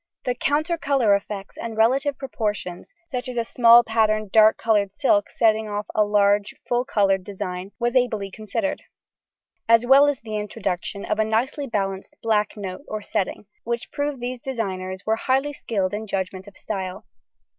The counter colour effects and relative proportions, such as a small patterned, dull coloured silk setting off a large full coloured design was ably considered, as well as the introduction of a nicely balanced black note or setting, which proved these designers were highly skilled in judgment of style.